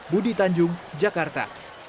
budi tanjung jakarta